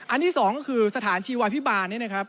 ที่สองก็คือสถานชีวาพิบาลเนี่ยนะครับ